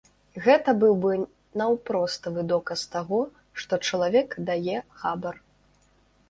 Гэта быў бы наўпроставы доказ таго, што чалавек дае хабар.